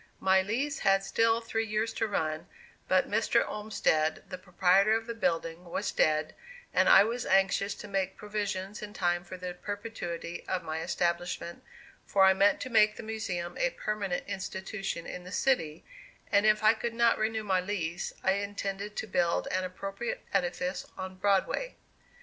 My lease had still three years to run, but Mr. Olmsted, the proprietor of the building, was dead, and I was anxious to make provision in time for the perpetuity of my establishment, for I meant to make the Museum a permanent institution in the city, and if I could not renew my lease, I intended to build an appropriate edifice on Broadway.